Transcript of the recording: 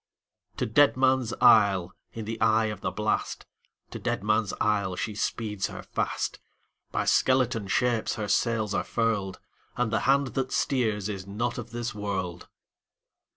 To Deadman's Isle, in the eye of the blast, To Deadman's Isle, she speeds her fast; By skeleton shapes her sails are furled, And the hand that steers is not of this world!